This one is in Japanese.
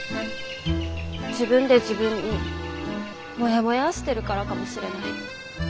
自分で自分にもやもやーしてるからかもしれない。